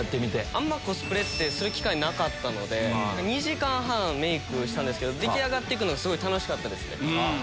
あんまコスプレってする機会なかったので２時間半メイクしたんですけど出来上がってくのすごい楽しかったですね。